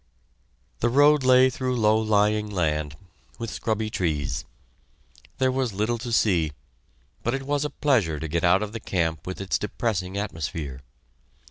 The road lay through low lying land, with scrubby trees. There was little to see, but it was a pleasure to get out of the camp with its depressing atmosphere.